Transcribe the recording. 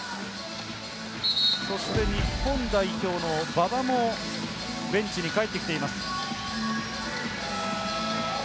日本代表の馬場もベンチに帰ってきています。